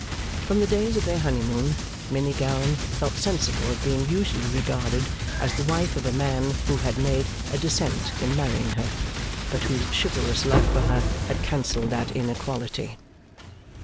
From the days of their honeymoon, Minnie Gowan felt sensible of being usually regarded as the wife of a man who had made a descent in marrying her, but whose chivalrous love for her had cancelled that inequality.